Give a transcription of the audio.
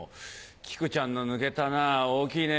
「木久ちゃんの抜けた穴は大きいね